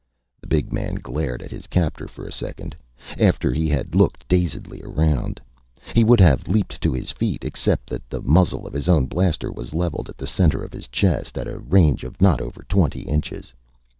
The big man glared at his captor for a second, after he had looked dazedly around. He would have leaped to his feet except that the muzzle of his own blaster was leveled at the center of his chest, at a range of not over twenty inches.